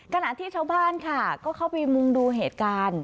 ขณะที่ชาวบ้านค่ะก็เข้าไปมุ่งดูเหตุการณ์